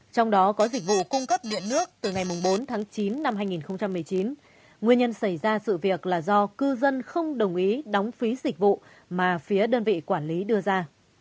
trong đó có dịch vụ cung cấp điện nước từ ngày bốn tháng chín năm hai nghìn một mươi chín nguyên nhân xảy ra sự việc là do cư dân không đồng ý đóng phí dịch vụ mà phía đơn vị quản lý đưa ra